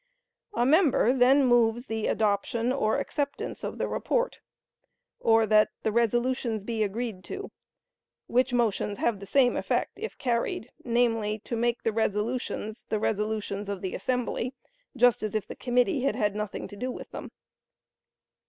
A member then moves the "adoption" or "acceptance" of the report, or that "the resolutions be agreed to," which motions have the same effect if carried, namely, to make the resolutions the resolutions of the assembly just as if the committee had had nothing to do with them.